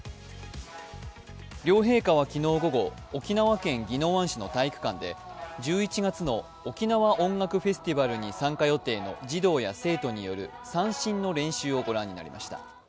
両陛下は昨日午後、沖縄県宜野湾市の体育館で１１月の沖縄音楽フェスティバルに参加予定の児童や生徒による三線の練習をご覧になりました。